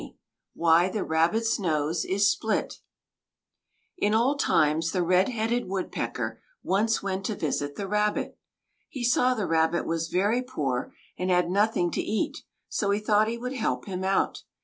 WHY THE RABBIT'S NOSE IS SPLIT In old times the Red Headed Woodpecker once went to visit the Rabbit. He saw the Rabbit was very poor, and had nothing to eat, so he thought he would help him out.